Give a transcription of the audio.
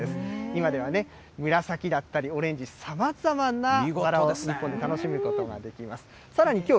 今では紫だったりオレンジ、さまざまなバラを日本で楽しむことができます。